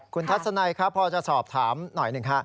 คุณทัศนัยครับพอจะสอบถามหน่อยหนึ่งฮะ